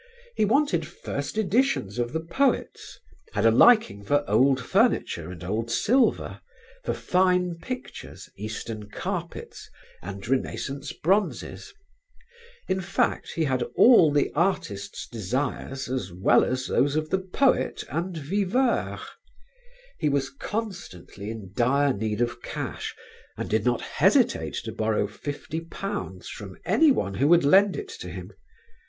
He wanted first editions of the poets; had a liking for old furniture and old silver, for fine pictures, Eastern carpets and Renascence bronzes; in fine, he had all the artist's desires as well as those of the poet and viveur. He was constantly in dire need of cash and did not hesitate to borrow fifty pounds from anyone who would lend it to him.